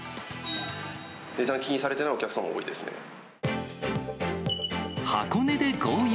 値段気にされてないお客様多箱根で豪遊。